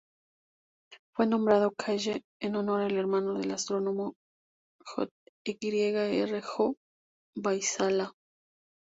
Fue nombrado Kalle en honor al hermano del astrónomo Yrjö Väisälä.